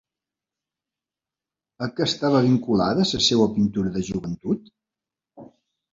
A què estava vinculada la seva pintura de joventut?